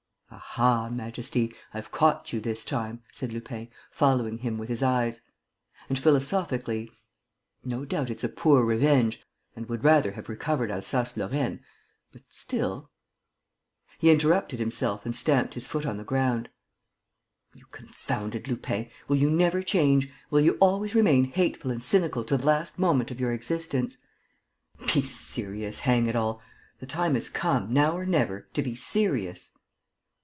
"Aha, Majesty, I've caught you this time!" said Lupin, following him with his eyes. And, philosophically, "No doubt it's a poor revenge ... and would rather have recovered Alsace Lorraine. ... But still ..." He interrupted himself and stamped his foot on the ground: "You confounded Lupin! Will you never change, will you always remain hateful and cynical to the last moment of your existence? Be serious, hang it all! The time has come, now or never, to be serious!"